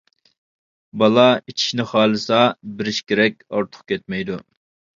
بالا ئىچىشنى خالىسا بېرىش كېرەك، ئارتۇق كەتمەيدۇ.